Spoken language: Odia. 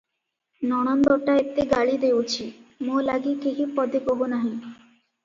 ନଣନ୍ଦଟା ଏତେ ଗାଳି ଦେଉଛି, ମୋ ଲାଗି କେହି ପଦେ କହୁ ନାହିଁ ।